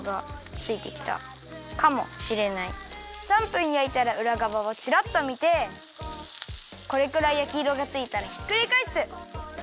３分やいたらうらがわをチラッとみてこれくらいやきいろがついたらひっくりかえす！